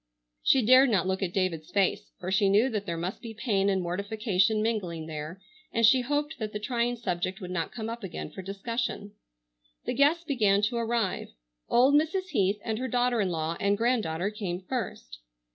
She dared not look at David's face, for she knew there must be pain and mortification mingling there, and she hoped that the trying subject would not come up again for discussion. The guests began to arrive. Old Mrs. Heath and her daughter in law and grand daughter came first.